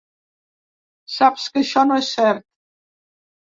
Saps que això no és cert.